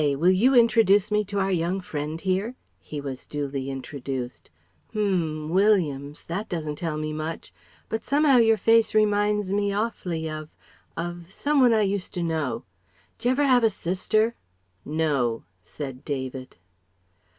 Will you introduce me to our young friend here?" He was duly introduced. "H'm, Williams? That doesn't tell me much. But somehow your face reminds me awfully of of some one I used to know. J'ever have a sister?" "No," said David.